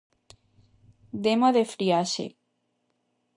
Demo de friaxe!